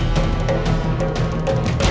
sampai jumpa lagi